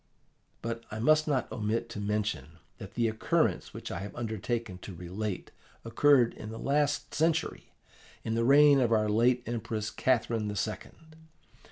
but I must not omit to mention that the occurrence which I have undertaken to relate occurred the last century, in the reign of our late Empress Catherine the Second.